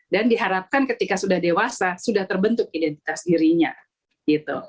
dan diharapkan ketika sudah dewasa sudah terbentuk identitas dirinya gitu